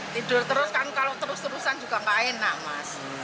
tidur terus kan kalau terus terusan juga nggak enak mas